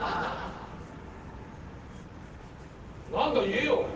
何か言えよ！